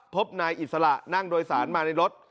พบนายอิสระนั่งโดยสารมาในรถ